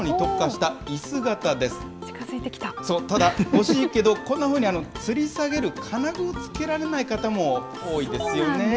ただ、欲しいけど、こんなふうにつり下げる金具をつけられない方も多いですよね。